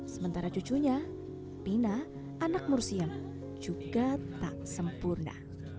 sementara cucunya pina anak mursiem juga tak sempurna